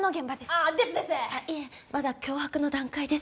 あっいえまだ脅迫の段階です。